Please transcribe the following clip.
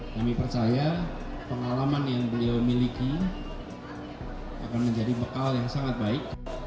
kami percaya pengalaman yang beliau miliki akan menjadi bekal yang sangat baik